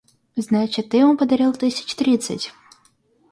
Значит, ты ему подарил тысяч тридцать.